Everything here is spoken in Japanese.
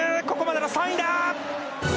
ここまでは３位だ！